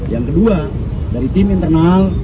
yang kedua dari tim internal